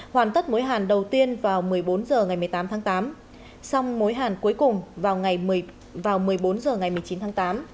hoàn tất mối hàn đầu tiên vào một mươi bốn h ngày một mươi tám tháng tám song mối hàn cuối cùng vào một mươi bốn h ngày một mươi chín tháng tám